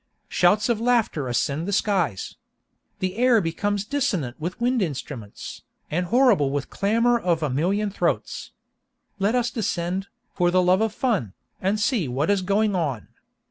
Shouts of laughter ascend the skies. The air becomes dissonant with wind instruments, and horrible with clamor of a million throats. Let us descend, for the love of fun, and see what is going on!